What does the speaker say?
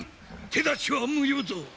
手出しは無用ぞ！